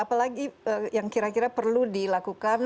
apalagi yang kira kira perlu dilakukan